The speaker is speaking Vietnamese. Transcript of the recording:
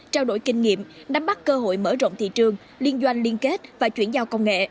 trao đổi kinh nghiệm nắm bắt cơ hội mở rộng thị trường liên doanh liên kết và chuyển giao công nghệ